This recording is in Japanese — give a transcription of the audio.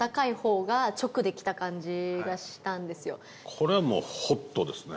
これはもうホットですね。